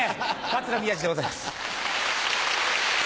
桂宮治でございます。